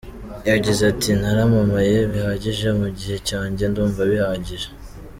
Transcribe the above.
Yagize ati “Naramamaye bihagije mu gihe cyanjye ndumva bihagije.